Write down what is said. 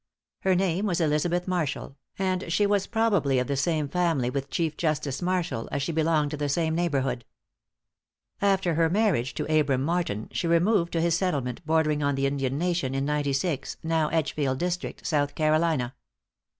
Her name was Elizabeth Marshall, and she was probably of the same family with Chief Justice Marshall, as she belonged to the same neighborhood. After her marriage to Abram Martin, she removed to his settlement bordering on the Indian nation, in Ninety Six, now Edgefield District, South Carolina.